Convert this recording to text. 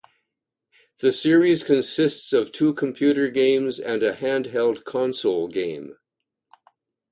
The series consists of two computer games and a handheld console game.